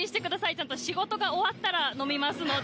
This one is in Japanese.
ちゃんと仕事が終わったら飲みますので。